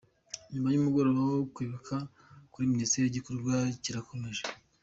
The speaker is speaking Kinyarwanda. Nyuma y’umugoroba wo kwibuka kuri Minisiteri igikorwa kirakomeje.